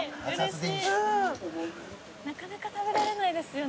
なかなか食べられないですよね。